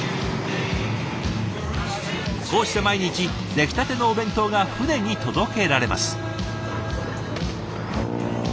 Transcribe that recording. こうして毎日できたてのお弁当が船に届けられます。